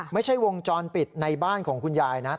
ไม่ใช่วงจรปิดในบ้านของคุณยายนะ